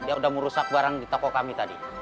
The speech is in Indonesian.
dia sudah merusak barang di toko kami tadi